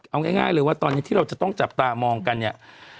เอาง่ายเลยว่าตอนนี้ที่เราจะต้องจับตามองกันเนี่ย